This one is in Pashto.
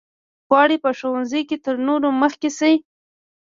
غواړي په ښوونځي کې تر نورو مخکې شي.